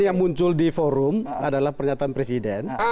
yang muncul di forum adalah pernyataan presiden